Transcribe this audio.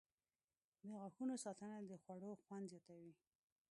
• د غاښونو ساتنه د خوړو خوند زیاتوي.